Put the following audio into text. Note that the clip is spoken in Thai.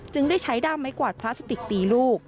ได้ใช้ด้ามไม้กวาดพลาสติกตีลูก